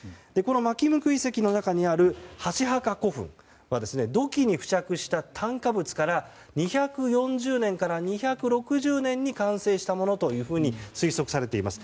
纏向遺跡の中にある箸墓古墳は土器に付着した炭化物から２４０年から２６０年に完成したものと推測されています。